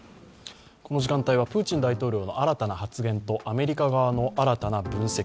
この時間帯は、プーチン大統領の新たな発言とアメリカ側の新たな分析